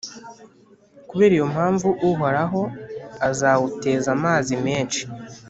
kubera iyo mpamvu, Uhoraho azawuteza amazi menshi,